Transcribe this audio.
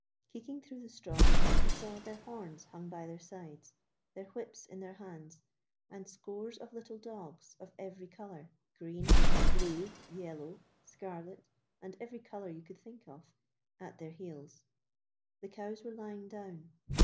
Keeking through the straw, he saw their horns hung by their sides, their whips in their hands, and scores of little dogs of every colour green, blue, yellow, scarlet, and every colour you can think of at their heels. The cows were lying down.